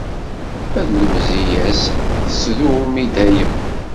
Ma d lemziya-s tettdum i dayem.